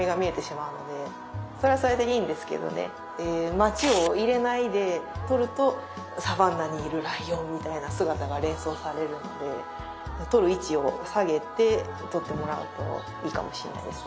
町を入れないで撮るとサバンナにいるライオンみたいな姿が連想されるので撮る位置を下げて撮ってもらうといいかもしんないです。